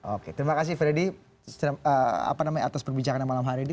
oke terima kasih freddy atas perbincangannya malam hari ini